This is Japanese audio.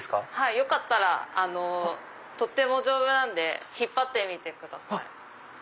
よかったらとっても丈夫なんで引っ張ってみてください。